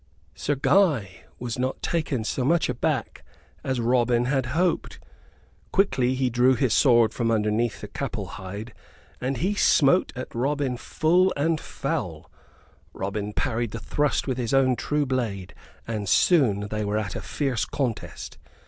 Sir Guy was not taken so much aback as Robin had hoped. Quickly he drew his sword from underneath the capul hide, and he smote at Robin full and foul. Robin parried the thrust with his own true blade, and soon they were at a fierce contest.